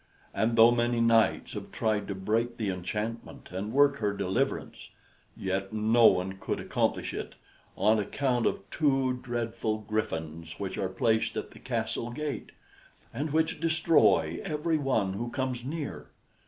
And though many knights have tried to break the enchantment, and work her deliverance, yet no one could accomplish it, on account of two dreadful griffins which are placed at the castle gate and which destroy every one who comes near.